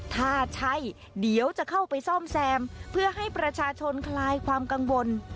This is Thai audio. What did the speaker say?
ถ้าใช่เดี๋ยวจะเข้าไปซ่อมแซมเพื่อให้ประชาชนคลายความกังวล